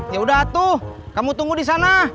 yaudah atuh kamu tunggu di sana